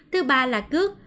thứ ba là cước